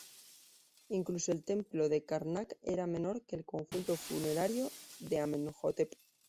Incluso el Templo de Karnak era menor que el conjunto funerario de Amenhotep.